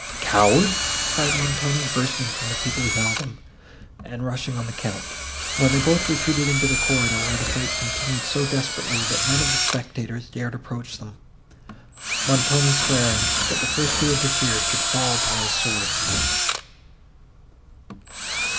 "Coward!" cried Montoni, bursting from the people who held him, and rushing on the Count, when they both retreated into the corridor, where the fight continued so desperately, that none of the spectators dared approach them, Montoni swearing, that the first who interfered, should fall by his sword.